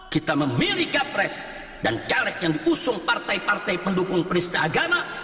kita memilih capres dan caleg yang diusung partai partai pendukung peristiwa agama